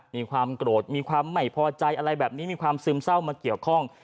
มีความโกรธมีความไม่พอใจอะไรแบบนี้มีความซึมเศร้ามาเกี่ยวข้อง